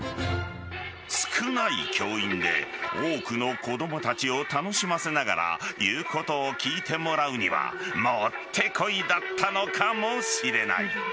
少ない教員で多くの子供たちを楽しませながら言うことを聞いてもらうにはもってこいだったのかもしれない。